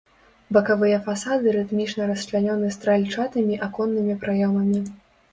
Бакавыя фасады рытмічна расчлянёны стральчатымі аконнымі праёмамі.